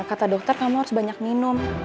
kata dokter kamu harus banyak minum